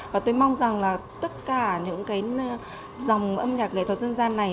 và tôi mong rằng là tất cả những cái dòng âm nhạc nghệ thuật dân gian này